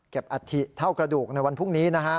เก็บอาถิเท่ากระดูกในวันพรุ่งนี้